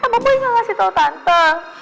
apa boy gak ngasih tau tante